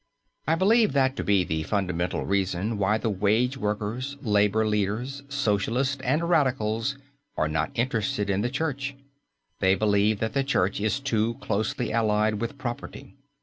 I believe that to be the fundamental reason why the wage workers, labour leaders, socialists and radicals are not interested in the Church. They believe that the Church is too closely allied with property.